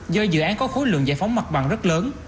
do dự án có khối lượng giải phóng mặt bằng rất lớn